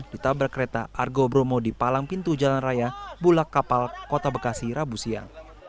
ditabrak kereta argo bromo di palang pintu jalan raya bulak kapal kota bekasi rabu siang